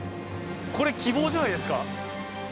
これ、きぼうじゃないですか。